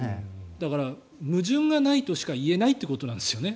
だから矛盾がないとしかいえないということですよね。